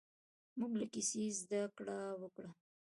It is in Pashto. موږ له کیسې زده کړه وکړه.